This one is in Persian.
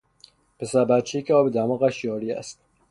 پسر بچهای که آب دماغش جاری است